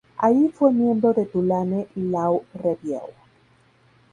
Allí fue miembro de Tulane Law Review.